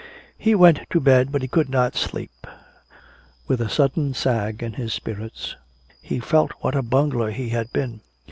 He went to bed but he could not sleep. With a sudden sag in his spirits he felt what a bungler he had been.